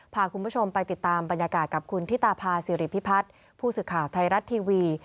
พาคุณผู้ชมไปติดตามบรรยากาศกับคุณธิตาพาสิริพิพัฒน์ผู้สื่อข่าวไทยรัฐทีวี